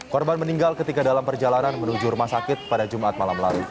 korban meninggal ketika dalam perjalanan menuju rumah sakit pada jumat malam lalu